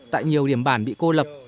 tại nhiều điểm bản bị cô lập